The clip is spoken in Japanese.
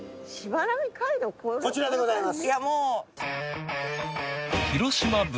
こちらでございます。